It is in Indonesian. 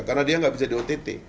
karena dia nggak bisa di ott